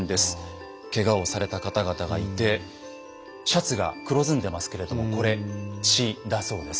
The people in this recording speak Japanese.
けがをされた方々がいてシャツが黒ずんでますけれどもこれ血だそうです。